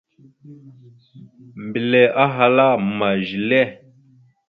Mbelle ahala: « Ma zelle? ».